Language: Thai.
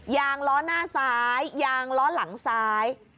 ยางล้อหน้าซ้ายยางล้อหลังซ้าย